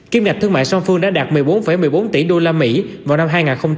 kiếm ngạch thương mại song phương đã đạt một mươi bốn một mươi bốn tỷ đô la mỹ vào năm hai nghìn hai mươi hai